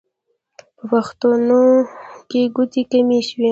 په پښتنو کې ګوتې کمې شوې.